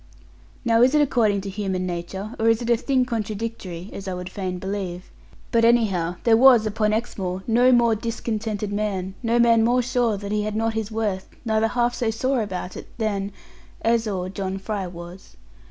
Now is it according to human nature, or is it a thing contradictory (as I would fain believe)? But anyhow, there was, upon Exmoor, no more discontented man, no man more sure that he had not his worth, neither half so sore about it, than, or as, John Fry was.